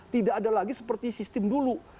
tidak ada lagi seperti sistem dulu